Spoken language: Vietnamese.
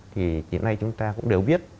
thì hiện nay chúng ta cũng đều biết